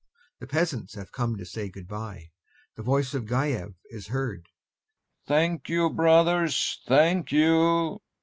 The peasants have come to say good bye. The voice of GAEV is heard: "Thank you, brothers, thank you."